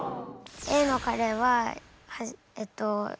Ａのカレーはえっと